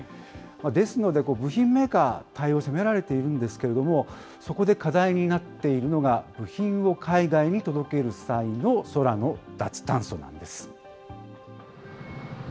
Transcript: ですので、部品メーカー、対応を迫られているんですけれども、そこで課題になっているのが、部品を海外に届ける際の空の脱炭素なんです。